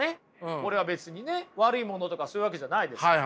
これは別にね悪いものとかそういうわけじゃないですから。